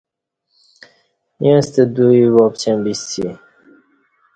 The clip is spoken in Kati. ییݩستہ دوی واپچیں بیسی